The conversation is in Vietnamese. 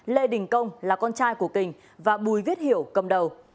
lê đình công là con trai của kình và bùi viết hiểu cầm đầu